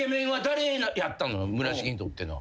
村重にとっての。